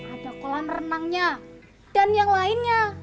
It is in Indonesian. ada kolam renangnya dan yang lainnya